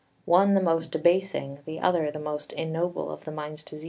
one the most debasing, the other the most ignoble of the mind's diseases.